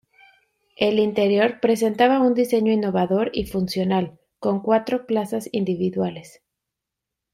El interior presentaba un diseño innovador y funcional, con cuatro plazas individuales.